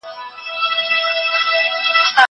زه انځورونه نه رسم کوم.